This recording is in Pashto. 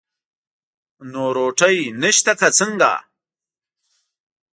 نو روټۍ نشته که څنګه؟